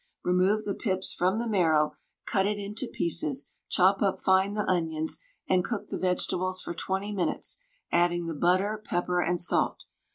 Remove the pips from the marrow, cut it into pieces, chop up fine the onions, and cook the vegetables for 20 minutes, adding the butter, pepper, and salt.